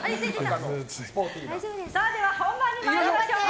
では、本番に参りましょう。